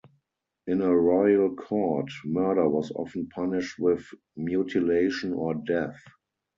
In a royal court, murder was often punished with mutilation or death.